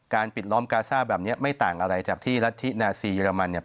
ปิดล้อมกาซ่าแบบนี้ไม่ต่างอะไรจากที่รัฐธินาซีเรมันเนี่ย